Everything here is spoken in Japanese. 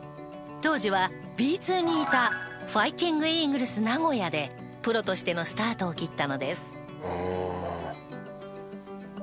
当時はＢ２にいたファイティングイーグルス名古屋でプロとしてのスタートを切ったのです。